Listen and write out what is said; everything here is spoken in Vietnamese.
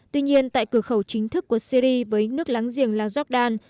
tuy nhiên tại cửa khẩu chính thức của syri với nước láng giềng là jordan